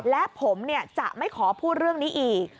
และผมจะไม่ขอพูดเรื่องนี้อีก